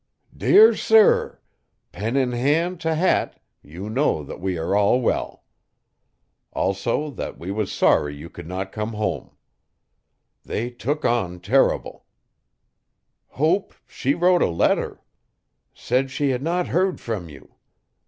DEAR SIR 'pen in hand to hat you know that we are all wel. also that we was sorry you could not come horn. They took on terribul. Hope she wrote a letter. Said she had not herd from you.